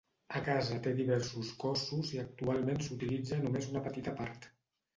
La casa té diversos cossos i actualment s'utilitza només una petita part.